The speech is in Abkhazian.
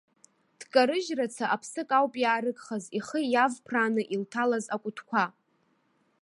Дкарыжьрацы аԥсык ауп иаарыгхаз ихы иавԥрааны илҭалаз акәытқәа.